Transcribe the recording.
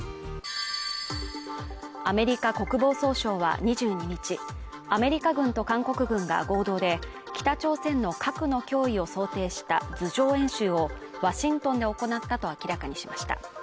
アメリカ国防総省は２２日、アメリカ軍と韓国軍が合同で北朝鮮の核の脅威を想定した図上演習をワシントンで行ったと明らかにしました。